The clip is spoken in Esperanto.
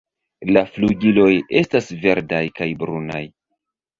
La flugiloj estas verdaj kaj brunaj.